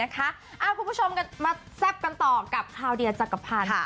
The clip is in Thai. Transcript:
คุณผู้ชมมาแซ่บกันต่อกับคาวเดียจักรพันธ์